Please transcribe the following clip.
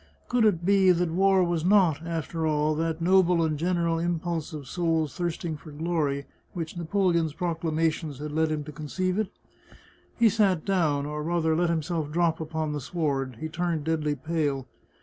Could it be that war was not, after all, that noble and general impulse of souls thirsting for glory which Napoleon's proclamations had led him to con ceive it? He sat down, or rather let himself drop upon the sward; he turned deadly pale.